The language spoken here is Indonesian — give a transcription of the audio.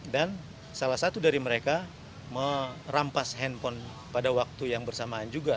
dan salah satu dari mereka merampas handphone pada waktu yang bersamaan juga